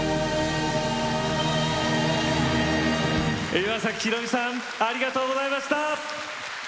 岩崎宏美さんありがとうございました！